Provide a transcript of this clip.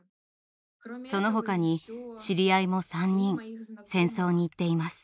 その他に知り合いも３人戦争に行っています。